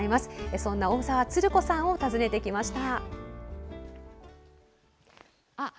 そんな大澤つる子さんを訪ねてきました。